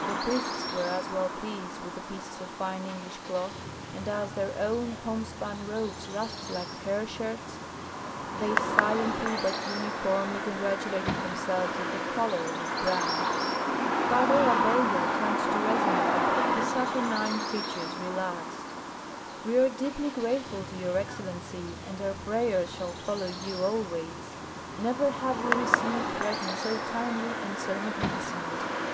The priests were as well pleased with the pieces of fine English cloth; and as their own homespun robes rasped like hair shirts, they silently but uniformly congratulated themselves that the color was brown. Father Abella turned to Rezanov, his saturnine features relaxed. "We are deeply grateful to your excellency, and our prayers shall follow you always. Never have we received presents so timely and so magnificent.